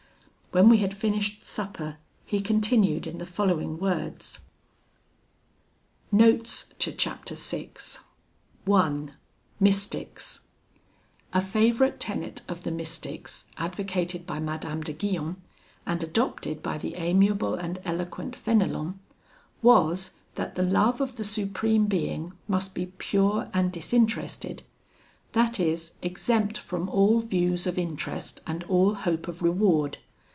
When we had finished supper, he continued in the following words. A favourite tenet of the Mystics, advocated by Madame de Guyon, and adopted by the amiable and eloquent Fenelon, was, that the love of the Supreme Being must be pure and disinterested; that is, exempt from all views of interest, and all hope of reward.